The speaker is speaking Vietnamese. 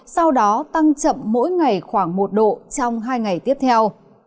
sau đó tăng chậm mỗi ngày khoảng một độ trong hai ngày tiếp theo